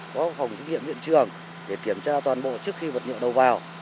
có phòng thiên nghiệm viện trường để kiểm tra toàn bộ trước khi vật nhựa đầu vào